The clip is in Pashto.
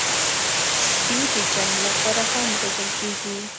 سپي د جنګ لپاره هم روزل کېږي.